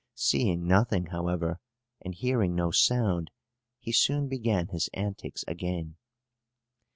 Seeing nothing, however, and hearing no sound, he soon began his antics again.